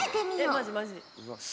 えマジマジ。